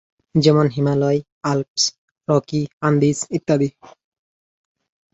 যেমন Himalaya, Alps, Rocky, Andes, ইত্যাদি।